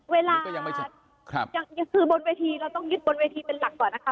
เวลาคือบนเวทีเราต้องยึดบนเวทีเป็นหลักก่อนนะคะ